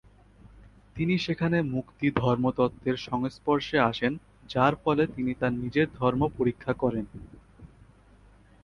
তিনি সেখানে মুক্তি ধর্মতত্ত্বের সংস্পর্শে আসেন, যার ফলে তিনি তার নিজের ধর্ম পরীক্ষা করেন।